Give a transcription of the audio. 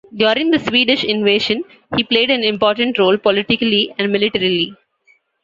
During the Swedish invasion he played an important role politically and militarily.